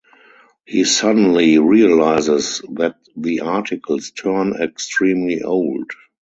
He suddenly realizes that the articles turn extremely old.